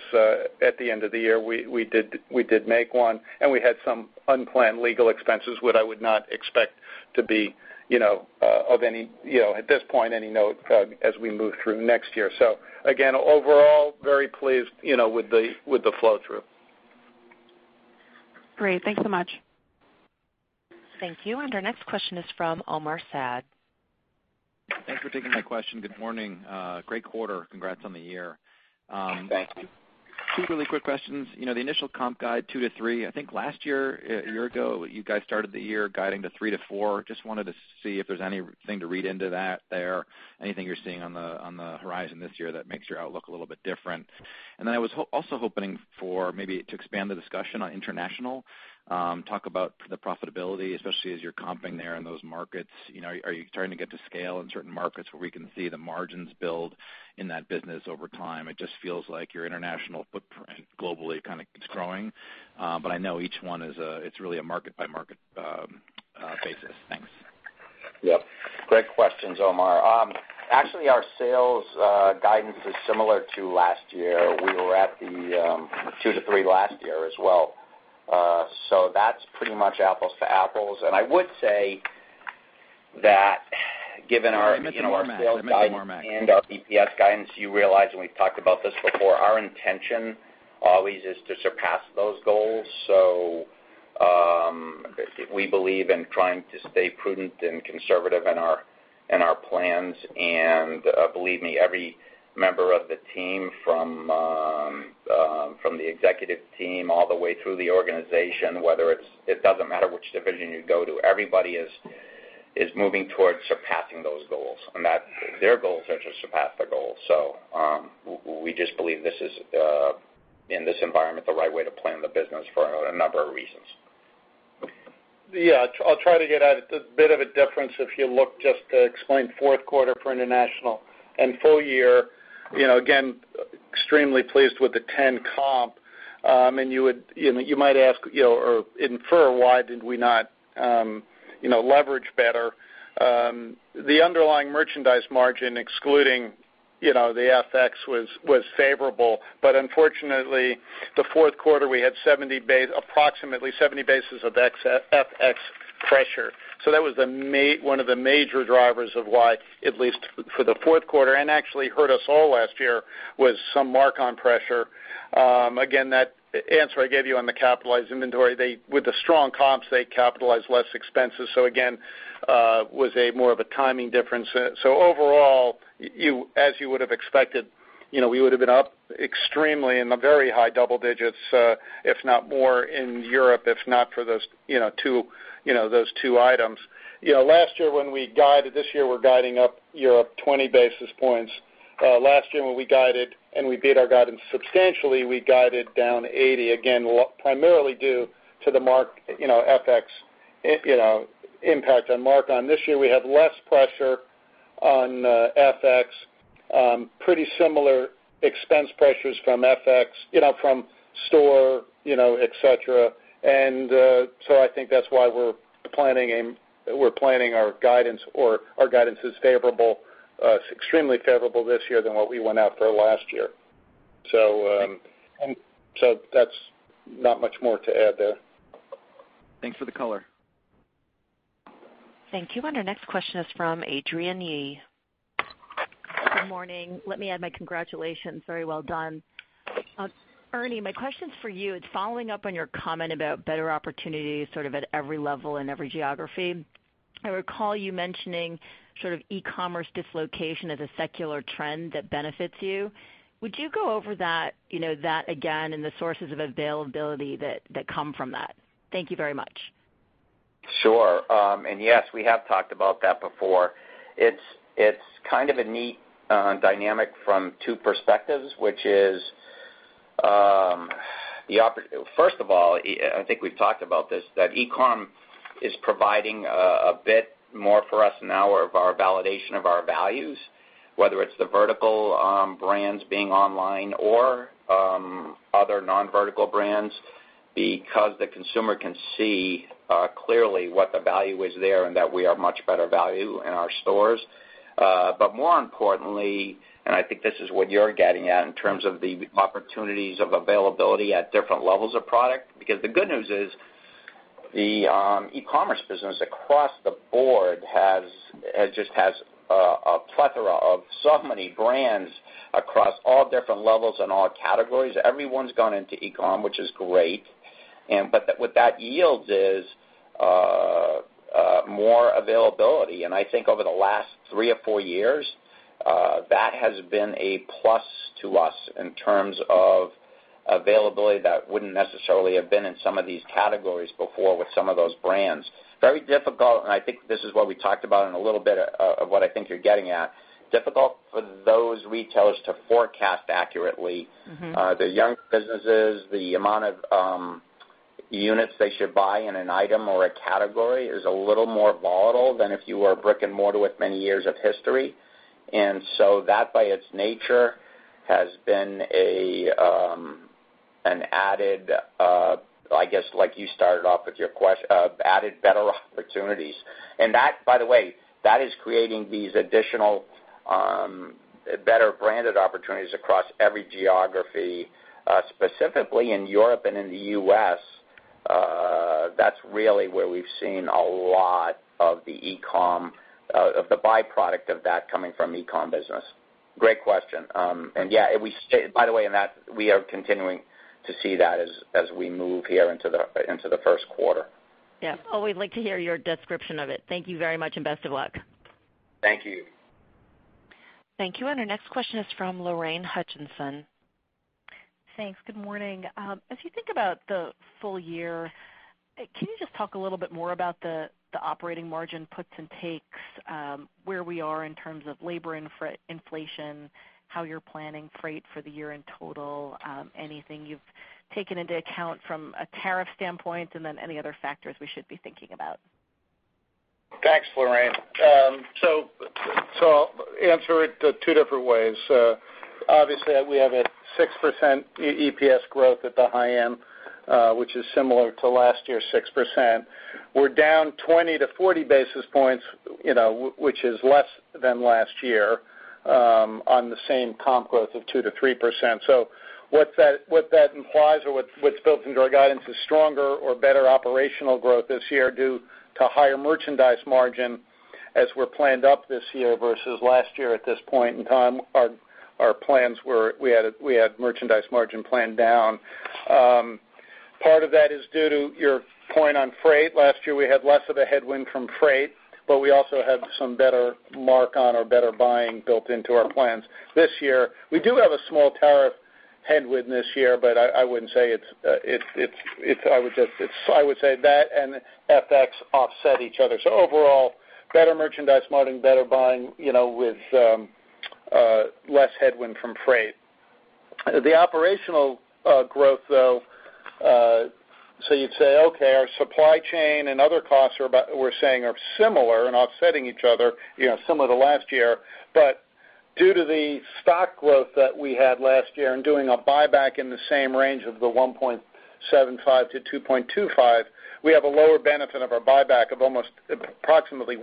at the end of the year, we did make one, and we had some unplanned legal expenses, what I would not expect to be of any, at this point, any note as we move through next year. Again, overall, very pleased with the flow-through. Great. Thanks so much. Thank you. Our next question is from Omar Saad. Thanks for taking my question. Good morning. Great quarter. Congrats on the year. Thank you. Two really quick questions. The initial comp guide two to three, I think last year, a year ago, you guys started the year guiding to three to four. Just wanted to see if there's anything to read into that there, anything you're seeing on the horizon this year that makes your outlook a little bit different? I was also hoping for maybe to expand the discussion on international. Talk about the profitability, especially as you're comping there in those markets. Are you starting to get to scale in certain markets where we can see the margins build in that business over time? It just feels like your international footprint globally kind of is growing. I know each one it's really a market-by-market basis. Thanks. Yep. Great questions, Omar. Actually, our sales guidance is similar to last year. We were at the 2%-3% last year as well. That's pretty much apples to apples. I meant more Marmaxx. I would say that, given our sales guidance and our EPS guidance, you realize, and we've talked about this before, our intention always is to surpass those goals. We believe in trying to stay prudent and conservative in our plans. Believe me, every member of the team, from the executive team all the way through the organization, it doesn't matter which division you go to, everybody is moving towards surpassing those goals, and their goals are to surpass their goals. We just believe this is, in this environment, the right way to plan the business for a number of reasons. I will try to get at it. There is a bit of a difference if you look just to explain fourth quarter for International and full year. Extremely pleased with the 10% comp. You might ask, or infer, why did we not leverage better? The underlying merchandise margin, excluding the FX, was favorable. Unfortunately, the fourth quarter, we had approximately 70 basis points of FX pressure. That was one of the major drivers of why, at least for the fourth quarter, and actually hurt us all last year, was some mark-on pressure. That answer I gave you on the capitalized inventory, with the strong comps, they capitalize less expenses. Again, was a more of a timing difference. Overall, as you would have expected, we would've been up extremely in the very high double digits, if not more in Europe, if not for those two items. Last year when we guided, this year we're guiding up Europe 20 basis points. Last year when we guided, and we beat our guidance substantially, we guided down 80, again, primarily due to the FX impact on mark-on. This year we have less pressure on FX. Pretty similar expense pressures from FX, from store, et cetera. I think that's why we're planning our guidance, or our guidance is extremely favorable this year than what we went out for last year. That's not much more to add there. Thanks for the color. Thank you. Our next question is from Adrienne Yih. Good morning. Let me add my congratulations. Very well done. Ernie, my question's for you. It's following up on your comment about better opportunities, sort of at every level and every geography. I recall you mentioning sort of e-commerce dislocation as a secular trend that benefits you. Would you go over that again and the sources of availability that come from that? Thank you very much. Sure. Yes, we have talked about that before. It's kind of a neat dynamic from two perspectives, which is, first of all, I think we've talked about this, that e-com is providing a bit more for us now of our validation of our values, whether it's the vertical brands being online or other non-vertical brands, because the consumer can see clearly what the value is there and that we are much better value in our stores. More importantly, and I think this is what you're getting at in terms of the opportunities of availability at different levels of product, because the good news is the e-commerce business across the board just has a plethora of so many brands across all different levels and all categories. Everyone's gone into e-com, which is great. What that yields is more availability. I think over the last three or four years, that has been a plus to us in terms of availability that wouldn't necessarily have been in some of these categories before with some of those brands. Very difficult. I think this is what we talked about and a little bit of what I think you're getting at. Difficult for those retailers to forecast accurately. The young businesses, the amount of units they should buy in an item or a category is a little more volatile than if you are a brick and mortar with many years of history. That by its nature, has been an added, I guess like you started off with your question, added better opportunities. That, by the way, that is creating these additional, better branded opportunities across every geography, specifically in Europe and in the U.S. That's really where we've seen a lot of the e-com, of the byproduct of that coming from e-com business. Great question. Yeah, by the way, in that, we are continuing to see that as we move here into the first quarter. Yeah. Always like to hear your description of it. Thank you very much, and best of luck. Thank you. Thank you. Our next question is from Lorraine Hutchinson. Thanks. Good morning. As you think about the full year, can you just talk a little bit more about the operating margin puts and takes, where we are in terms of labor inflation, how you're planning freight for the year in total, anything you've taken into account from a tariff standpoint, and then any other factors we should be thinking about. Thanks, Lorraine. Answer it two different ways. Obviously, we have a 6% EPS growth at the high end, which is similar to last year, 6%. We're down 20-40 basis points, which is less than last year, on the same comp growth of 2%-3%. What that implies, or what's built into our guidance, is stronger or better operational growth this year due to higher merchandise margin as we're planned up this year versus last year at this point in time, our plans were we had merchandise margin planned down. Part of that is due to your point on freight. Last year, we had less of a headwind from freight, but we also had some better mark on or better buying built into our plans. This year, we do have a small tariff headwind this year, but I would say that and FX offset each other. Overall, better merchandise margin, better buying, with less headwind from freight. The operational growth, though, so you'd say, okay, our supply chain and other costs we're saying are similar and offsetting each other, similar to last year. due to the stock growth that we had last year and doing a buyback in the same range of the $1.75 billion-$2.25 billion, we have a lower benefit of our buyback of almost approximately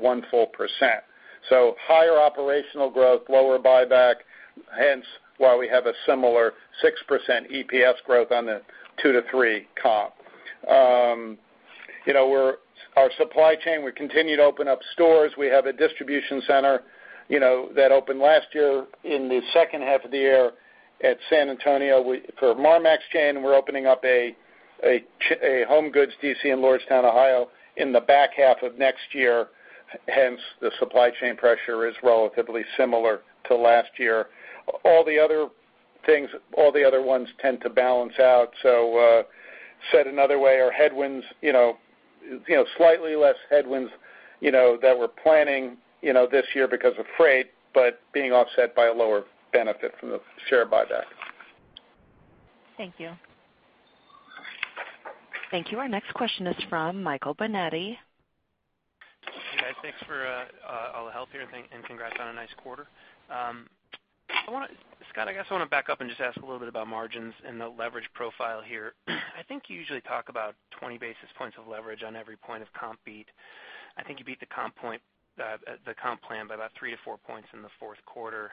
1%. higher operational growth, lower buyback, hence why we have a similar 6% EPS growth on the 2%-3% comp. Our supply chain, we continue to open up stores. We have a distribution center that opened last year in the second half of the year at San Antonio. For our Marmaxx chain, we're opening up a HomeGoods DC in Lordstown, Ohio, in the back half of next year. Hence, the supply chain pressure is relatively similar to last year. All the other ones tend to balance out. Said another way, slightly less headwinds, that we're planning this year because of freight, but being offset by a lower benefit from the share buyback. Thank you. Thank you. Our next question is from Michael Binetti. Hey, guys. Thanks for all the help here and congrats on a nice quarter. Scott, I guess I want to back up and just ask a little bit about margins and the leverage profile here. I think you usually talk about 20 basis points of leverage on every point of comp beat. I think you beat the comp plan by about three to four points in the fourth quarter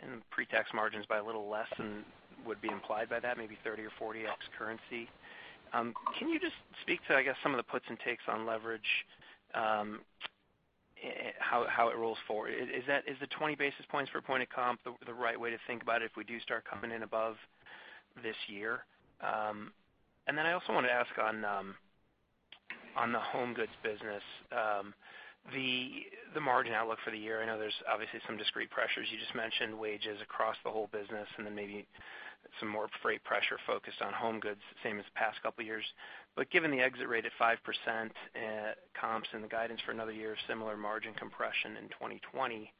and pre-tax margins by a little less than would be implied by that, maybe 30 or 40 ex currency. Can you just speak to, I guess, some of the puts and takes on leverage, how it rolls forward? Is the 20 basis points per point of comp the right way to think about it if we do start coming in above this year? I also want to ask on the HomeGoods business, the margin outlook for the year. I know there's obviously some discrete pressures. You just mentioned wages across the whole business and then maybe some more freight pressure focused on HomeGoods, same as the past couple of years. Given the exit rate at 5% comps and the guidance for another year of similar margin compression in 2020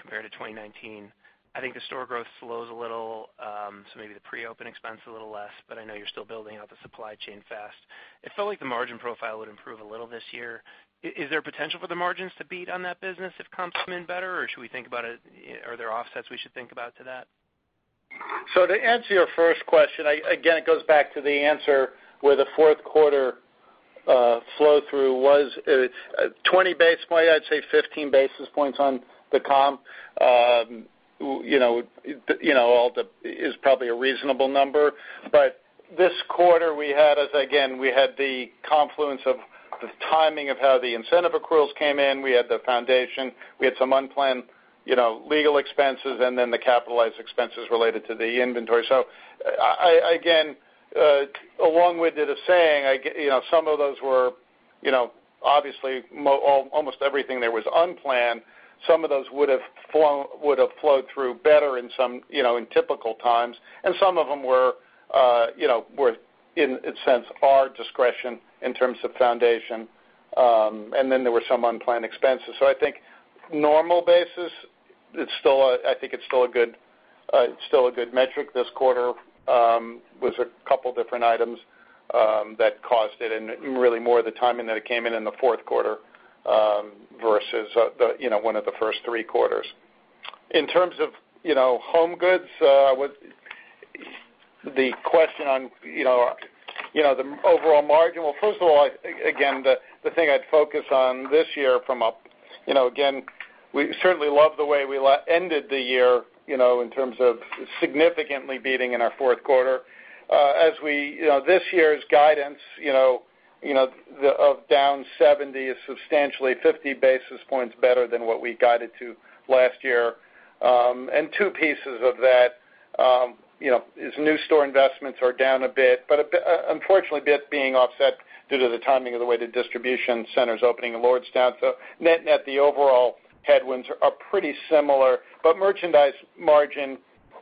compared to 2019, I think the store growth slows a little, so maybe the pre-open expense a little less, but I know you're still building out the supply chain fast. It felt like the margin profile would improve a little this year. Is there potential for the margins to beat on that business if comps come in better, or are there offsets we should think about to that? To answer your first question, again, it goes back to the answer where the fourth quarter flow-through was 20 basis point. I'd say 15 basis points on the comp is probably a reasonable number. This quarter, again, we had the confluence of the timing of how the incentive accruals came in. We had the foundation, we had some unplanned legal expenses, and then the capitalized expenses related to the inventory. Again, along with it a saying, obviously almost everything there was unplanned. Some of those would have flowed through better in typical times, and some of them were, in a sense, our discretion in terms of foundation. There were some unplanned expenses. I think normal basis, I think it's still a good metric this quarter with a couple of different items that caused it and really more the timing that it came in in the fourth quarter versus one of the first three quarters. In terms of HomeGoods, the question on the overall margin. Well, first of all, again, the thing I'd focus on this year from, again, we certainly love the way we ended the year in terms of significantly beating in our fourth quarter. This year's guidance of down 70 basis points is substantially 50 basis points better than what we guided to last year. Two pieces of that is new store investments are down a bit, but unfortunately, a bit being offset due to the timing of the way the distribution center is opening in Lordstown. Net-net, the overall headwinds are pretty similar. Merchandise margin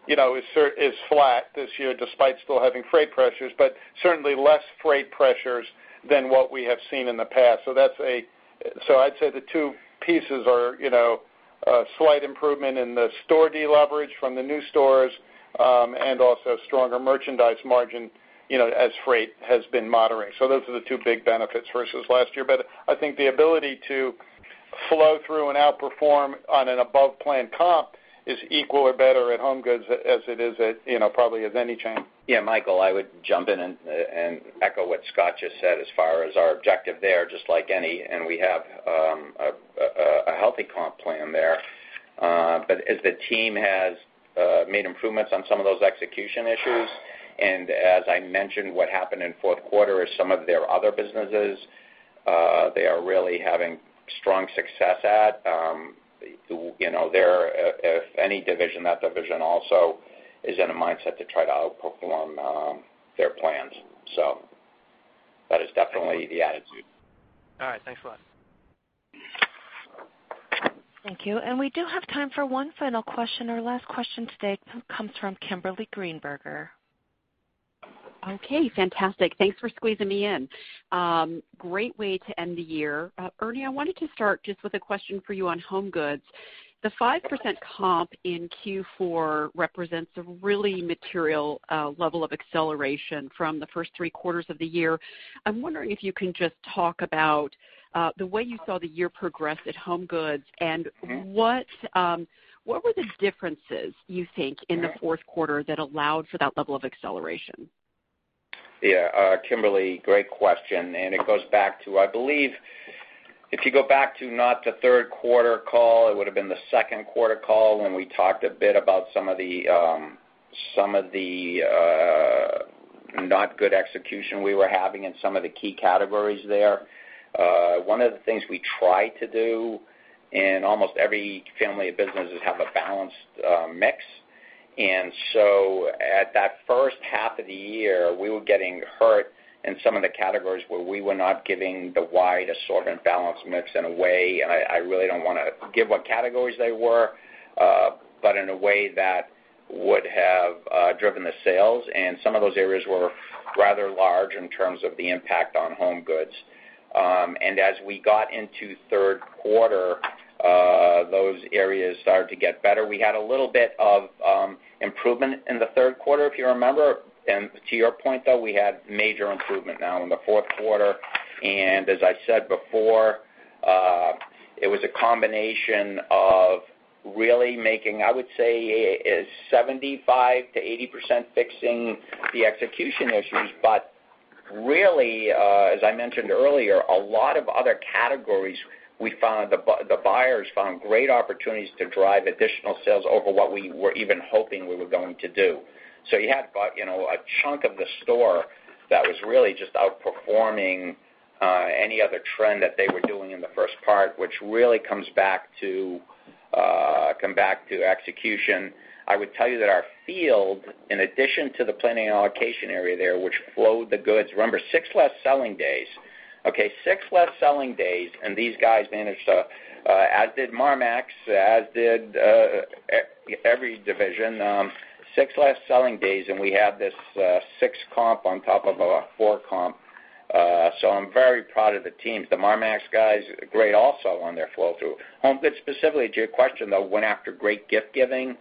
is flat this year despite still having freight pressures, but certainly less freight pressures than what we have seen in the past. I'd say the two pieces are a slight improvement in the store deleverage from the new stores. Also stronger merchandise margin as freight has been moderating. Those are the two big benefits versus last year. I think the ability to flow through and outperform on an above-plan comp is equal or better at HomeGoods as it is at probably at any chain. Yeah, Michael, I would jump in and echo what Scott just said as far as our objective there, just like any, and we have a healthy comp plan there. As the team has made improvements on some of those execution issues, and as I mentioned, what happened in fourth quarter is some of their other businesses, they are really having strong success at. If any division, that division also is in a mindset to try to outperform their plans. That is definitely the attitude. All right. Thanks a lot. Thank you. We do have time for one final question. Our last question today comes from Kimberly Greenberger. Okay, fantastic. Thanks for squeezing me in. Great way to end the year. Ernie, I wanted to start just with a question for you on HomeGoods. The 5% comp in Q4 represents a really material level of acceleration from the first three quarters of the year. I'm wondering if you can just talk about the way you saw the year progress at HomeGoods and what were the differences, you think, in the fourth quarter that allowed for that level of acceleration? Yeah. Kimberly, great question. It goes back to, I believe, if you go back to not the third quarter call, it would've been the second quarter call, when we talked a bit about some of the not good execution we were having in some of the key categories there. One of the things we try to do in almost every family of businesses is have a balanced mix. At that first half of the year, we were getting hurt in some of the categories where we were not giving the wide assortment balanced mix in a way, and I really don't want to give what categories they were, but in a way that would have driven the sales. Some of those areas were rather large in terms of the impact on HomeGoods. As we got into third quarter, those areas started to get better. We had a little bit of improvement in the third quarter, if you remember. To your point, though, we had major improvement now in the fourth quarter. As I said before, it was a combination of really making, I would say, 75%-80% fixing the execution issues. Really, as I mentioned earlier, a lot of other categories, the buyers found great opportunities to drive additional sales over what we were even hoping we were going to do. You had a chunk of the store that was really just outperforming any other trend that they were doing in the first part, which really comes back to execution. I would tell you that our field, in addition to the planning and allocation area there, which flowed the goods. Remember, six less selling days. Okay, six less selling days, these guys managed to, as did Marmaxx, as did every division. Six less selling days, we have this 6% comp on top of a 4% comp. I'm very proud of the teams. The Marmaxx guys, great also on their flow-through. HomeGoods specifically, to your question, though, went after great gift giving.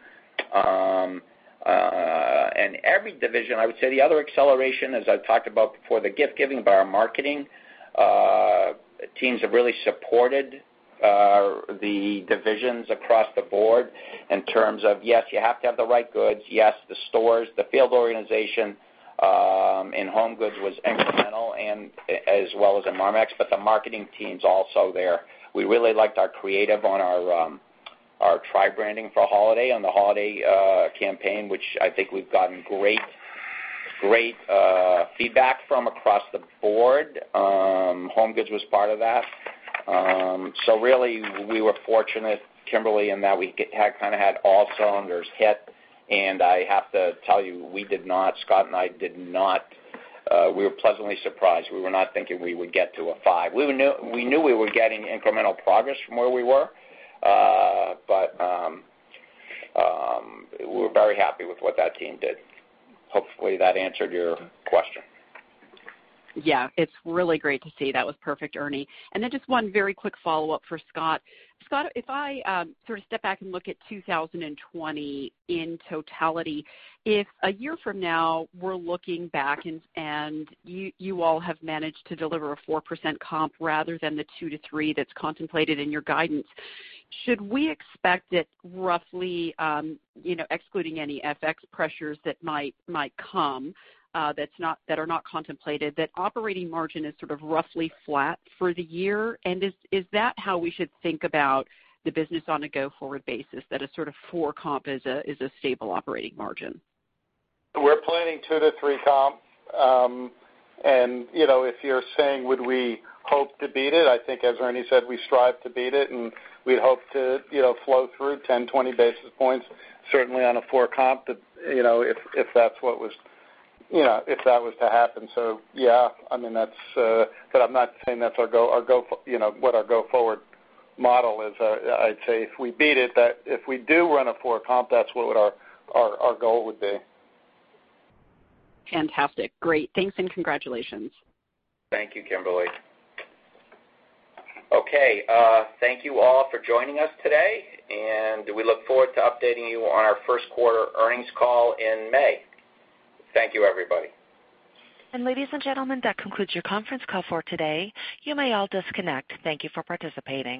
Every division, I would say the other acceleration, as I've talked about before, the gift giving by our marketing teams have really supported the divisions across the board in terms of, yes, you have to have the right goods. Yes, the stores, the field organization in HomeGoods was incremental and as well as in Marmaxx, the marketing team's also there. We really liked our creative on our tri-branding for holiday, on the holiday campaign, which I think we've gotten great feedback from across the board. HomeGoods was part of that. Really, we were fortunate, Kimberly, in that we kind of had all cylinders hit. I have to tell you, Scott and I did not. We were pleasantly surprised. We were not thinking we would get to a 5%. We knew we were getting incremental progress from where we were. We were very happy with what that team did. Hopefully, that answered your question. Yeah. It's really great to see. That was perfect, Ernie. Just one very quick follow-up for Scott. Scott, if I sort of step back and look at 2020 in totality, if a year from now, we're looking back and you all have managed to deliver a 4% comp rather than the 2%-3% that's contemplated in your guidance, should we expect it roughly, excluding any FX pressures that might come, that are not contemplated, that operating margin is sort of roughly flat for the year? Is that how we should think about the business on a go-forward basis, that a sort of 4% comp is a stable operating margin? We're planning 2%-3% comp. If you're saying would we hope to beat it, I think as Ernie said, we strive to beat it and we hope to flow through 10, 20 basis points, certainly on a 4% comp, if that was to happen. Yeah, but I'm not saying that's what our go forward model is. I'd say if we beat it, that if we do run a 4% comp, that's what our goal would be. Fantastic. Great. Thanks and congratulations. Thank you, Kimberly. Okay, thank you all for joining us today, and we look forward to updating you on our first quarter earnings call in May. Thank you, everybody. Ladies and gentlemen, that concludes your conference call for today. You may all disconnect. Thank you for participating.